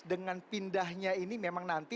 dengan pindahnya ini memang nanti